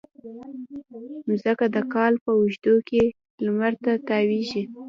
مځکه د کال په اوږدو کې لمر ته تاوېږي.